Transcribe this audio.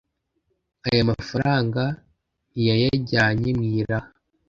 Aya mafaranga ntiyayajyanye mu iraha